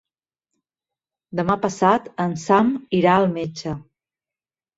Demà passat en Sam irà al metge.